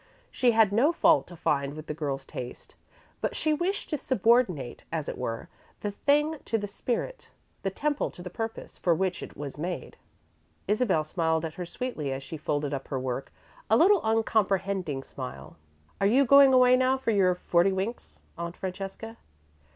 She had no fault to find with the girl's taste, but she wished to subordinate, as it were, the thing to the spirit; the temple to the purpose for which it was made. Isabel smiled at her sweetly as she folded up her work a little uncomprehending smile. "Are you going away now for your 'forty winks,' Aunt Francesca?"